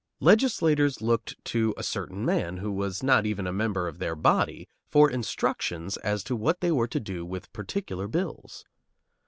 Legislators looked to a certain man who was not even a member of their body for instructions as to what they were to do with particular bills.